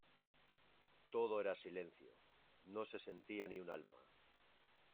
Todo era silencio, no se sentía ni un alma.